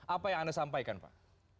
apa yang anda sampaikan pak